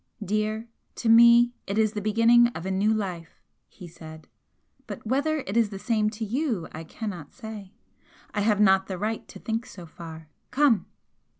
"Dear, to me it is the beginning of a new life!" he said "But whether it is the same to you I cannot say. I have not the right to think so far. Come!"